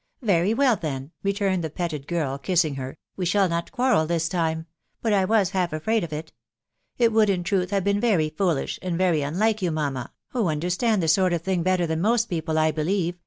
" Very well, then," returned the petted girl, kissing her*. we shall not quarrel this time; but I was half afraid <of it* It would, in truth, have been very ibdlieh, «aad very unlike* you, mamma, who understand the isert of ttfafag better than, moat people, I .believe